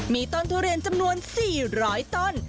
มีต้นทุเรียนจำนวน๔๐๐ต้น